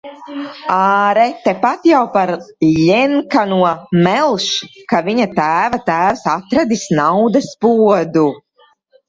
Āre, tepat jau par Ļenkano melš, ka viņa tēva tēvs atradis naudas podu.